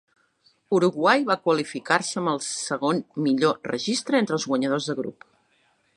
Uruguai va qualificar-se amb el segon millor registre entre el guanyadors de grup.